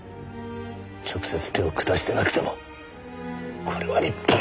直接手を下してなくてもこれは立派な殺人だ！